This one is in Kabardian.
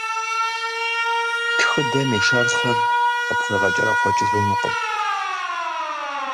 Тхыдэм и шэрхъыр къыпхуегъэкӏэрэхъуэкӏыжынукъым.